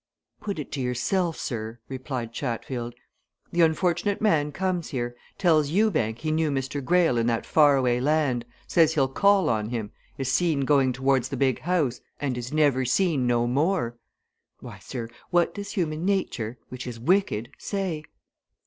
"Put it to yourself, sir," replied Chatfield. "The unfortunate man comes here, tells Ewbank he knew Mr. Greyle in that far away land, says he'll call on him, is seen going towards the big house and is never seen no more! Why, sir, what does human nature which is wicked say?"